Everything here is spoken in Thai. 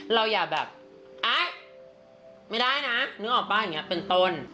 เราอย่าแบบไม่ได้นะนึกออกป่ะเป็นต้น